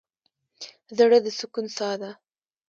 زړه د سکون څاه ده.